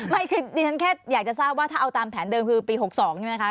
ไม่คือดิฉันแค่อยากจะทราบว่าถ้าเอาตามแผนเดิมคือปี๖๒ใช่ไหมคะ